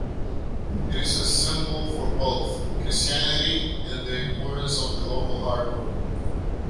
It is a symbol for both Christianity and the importance of the local harbor.